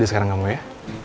jadi sekarang gak mau ya